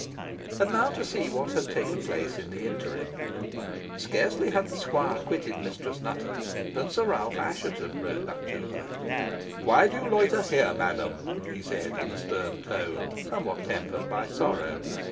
And now to see what had taken place in the interim. Scarcely had the squire quitted Mistress Nutter than Sir Ralph Assheton rode up to her. "Why do you loiter here, madam?" he said, in a stern tone, somewhat tempered by sorrow.